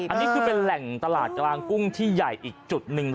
อันนี้คือเป็นแหล่งตลาดกลางกุ้งที่ใหญ่อีกจุดหนึ่ง